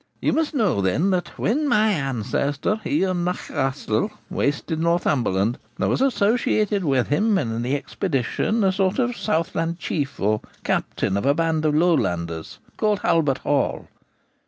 You must know, then, that when my ancestor, Ian nan Chaistel, wasted Northumberland, there was associated with him in the expedition a sort of Southland Chief, or captain of a band of Lowlanders, called Halbert Hall.